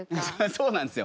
そうなんですよ。